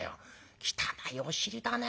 汚いお尻だね。